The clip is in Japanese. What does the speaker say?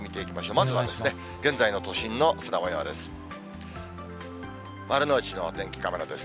まずは現在の都心の空もようです。